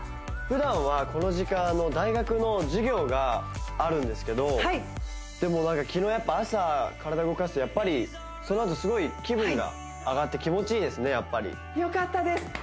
ふだんはこの時間大学の授業があるんですけどはいでも昨日やっぱ朝体動かすとやっぱりそのあとすごい気分が上がって気持ちいいですねよかったです